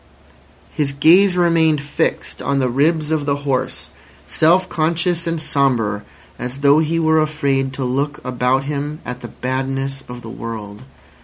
His gaze remained fixed on the ribs of the horse, self conscious and sombre, as though he were afraid to look about him at the badness of the world.